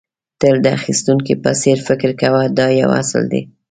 تل د اخيستونکي په څېر فکر کوه دا یو اصل دی.